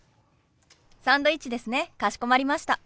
サンドイッチですねかしこまりました。